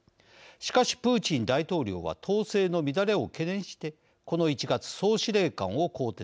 しかしプーチン大統領は統制の乱れを懸念して、この１月総司令官を更迭。